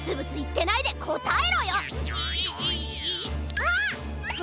あっ！